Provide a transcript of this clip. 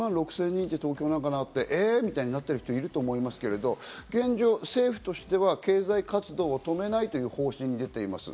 １万６０００人って東京とかでなって、えってなってる人もいると思いますけど、現状政府としては経済活動を止めないという方針が出ています。